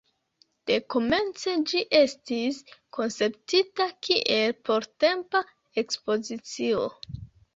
Dekomence ĝi estis konceptita kiel portempa ekspozicio.